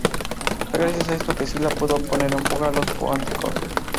Fue gracias a esto que Sila pudo poner en fuga a los pónticos.